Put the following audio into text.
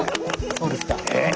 そうですか。